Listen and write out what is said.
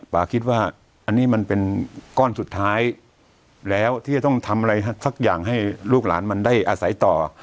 ป่าคิดว่าอันนี้มันเป็นก้อนสุดท้ายแล้วที่จะต้องทำอะไรสักอย่างให้ลูกหลานมันได้อาศัยต่อ